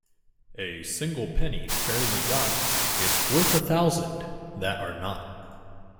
A single penny fairly got is worth a thousand that are not.